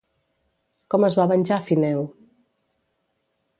Com es va venjar Fineu?